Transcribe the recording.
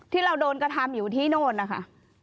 ที่เราโดนกระทำอยู่ที่โน่นนะคะ